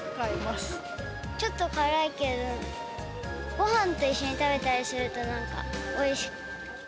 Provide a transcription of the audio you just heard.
ちょっと辛いけど、ごはんと一緒に食べたりするとなんかおいしい。